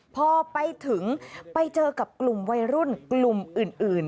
พอไปถึงไปเจอกับกลุ่มวัยรุ่นกลุ่มอื่น